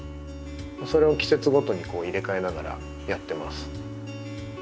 それを季節ごとに入れ替えながらやってます。